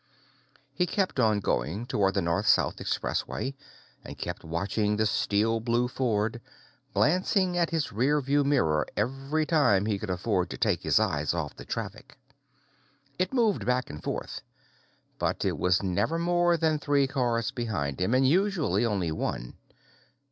He kept on going toward the North South Expressway, and kept watching the steel blue Ford, glancing at his rear view mirror every time he could afford to take his eyes off the traffic. It moved back and forth, but it was never more than three cars behind him, and usually only one.